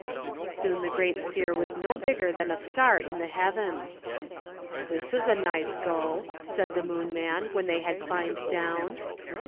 _" Soon the great sphere was no bigger than a star in the heavens. "This is a nice go," said the Moon man, when they had climbed down.